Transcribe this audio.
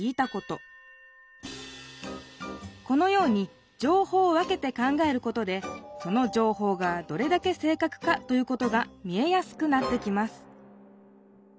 このようにじょうほうを分けて考えることでそのじょうほうがどれだけ正確かということが見えやすくなってきます